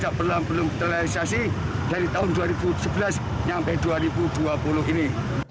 sejak perlambatan realisasi dari tahun dua ribu sebelas sampai dua ribu dua puluh ini